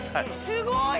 すごい！